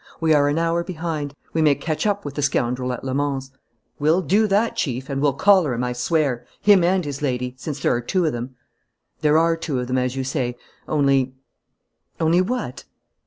"We are an hour behind. We may catch up with the scoundrel at Le Mans." "We'll do that, Chief, and we'll collar him, I swear: him and his lady, since there are two of them." "There are two of them, as you say. Only " "Only what?"